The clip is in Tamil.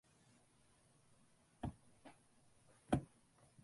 இதனால், சுவர்க்கத்தைப் பற்றிய விமர்சனம், உலகம் பற்றிய விமர்சனமாக மாறுகிறது.